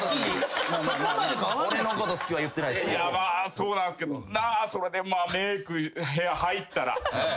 そうなんすけどなそれでメーク部屋入ったら。